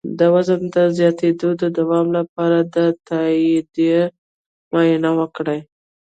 د وزن د زیاتیدو د دوام لپاره د تایرايډ معاینه وکړئ